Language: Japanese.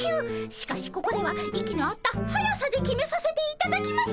しかしここでは息の合った速さで決めさせていただきます。